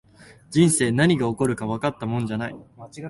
人生、何が起こるかわかったもんじゃない